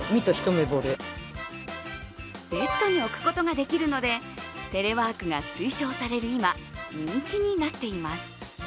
ベッドに置くことができるのでテレワークが推奨される今人気になっています。